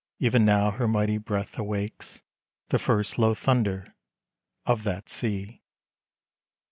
E'en now her mighty breath awakes The first low thunder of that sea.